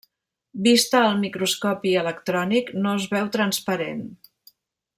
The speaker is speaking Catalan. Vista al microscopi electrònic no es veu transparent.